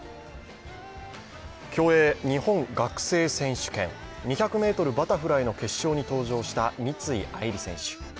競泳、日本学生選手権、２００ｍバタフライ決勝に登場した三井愛梨選手。